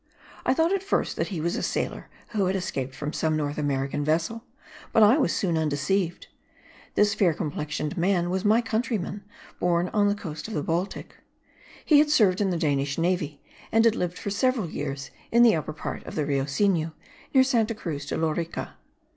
I thought at first that he was a sailor who had escaped from some North American vessel; but I was soon undeceived. This fair complexioned man was my countryman, born on the coast of the Baltic; he had served in the Danish navy and had lived for several years in the upper part of the Rio Sinu, near Santa Cruz de Lorica.